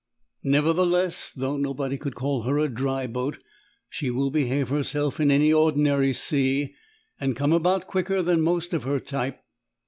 Nevertheless, though nobody could call her a dry boat, she will behave herself in any ordinary sea, and come about quicker than most of her type.